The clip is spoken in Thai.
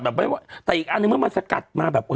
แต่อีกอันนึงเมื่อมันสกัดมาแบบ